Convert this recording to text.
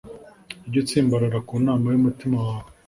ujye utsimbarara ku nama y’umutima wawe,